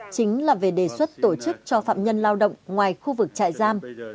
chính là về đề xuất tổ chức cho phạm nhân lao động ngoài khu vực trại giam